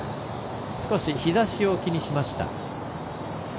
少し日ざしを気にしました。